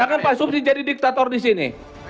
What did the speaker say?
jangan pak sub si jadi diktator di sini